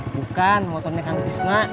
bukan motornya kakak tisna